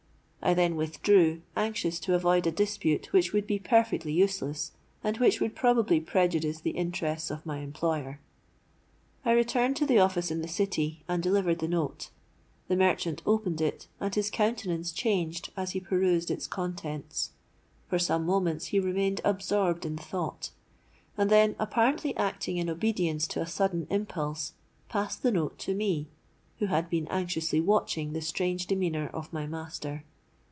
I then withdrew, anxious to avoid a dispute which would be perfectly useless, and which would probably prejudice the interests of my employer. I returned to the office in the City, and delivered the note. The merchant opened it, and his countenance changed as he perused its contents. For some moments he remained absorbed in thought; and then, apparently acting in obedience to a sudden impulse, passed the note to me, who had been anxiously watching the strange demeanour of my master.